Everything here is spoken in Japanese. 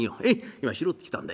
今拾ってきたんだ。